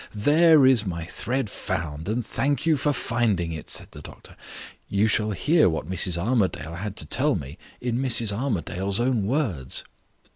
"There is my thread found and thank you for finding it!" said the doctor. "You shall hear what Mrs. Armadale had to tell me, in Mrs. Armadale's own words.